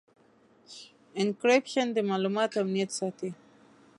انکریپشن د معلوماتو امنیت ساتي.